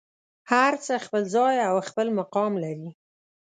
هر څه خپل ځای او خپل مقام لري.